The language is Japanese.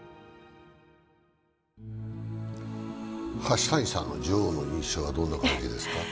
橋谷さんの女王の印象はどんな感じですか。